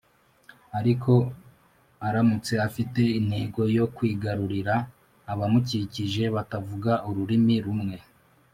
ariko aramutse afite intego yo kwigarurira abamukikije batavuga ururimi rumwe